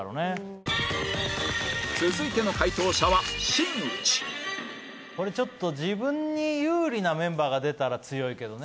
続いての回答者は自分に有利なメンバーが出たら強いけどね。